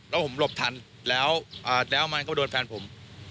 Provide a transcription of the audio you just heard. แล้วผมหลบทันแล้วมันก็โดนแฟนผม